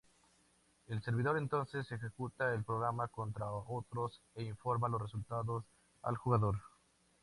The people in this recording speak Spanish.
El servidor entonces ejecuta el programa contra otros e informa los resultados al jugador.